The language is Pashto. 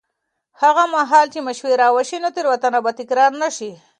هغه مهال چې مشوره وشي، تېروتنه به تکرار نه شي.